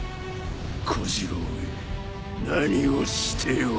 小次郎め何をしておる。